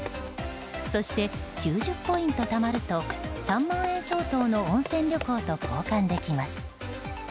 そして９０ポイントたまると３万円相当の温泉旅行と交換できます。